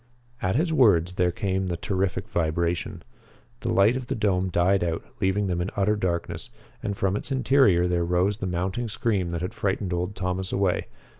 At his words there came the terrific vibration. The light of the dome died out, leaving them in utter darkness, and from its interior there rose the mounting scream that had frightened old Thomas away.